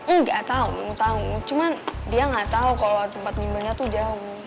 engga tau tau cuman dia ga tau kalo tempat bimbelnya tuh jauh